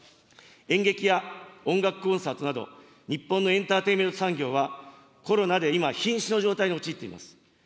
演劇や音楽コンサートなど、日本のエンターテイメント産業は、コロナで今、ひん死の状態に陥っています。